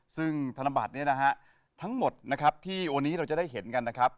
ซึ่งธนบัตรนี้นะฮะทั้งหมดนะครับที่วันนี้เราจะได้เห็นกันนะครับ